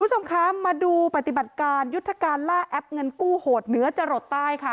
คุณผู้ชมคะมาดูปฏิบัติการยุทธการล่าแอปเงินกู้โหดเหนือจรดใต้ค่ะ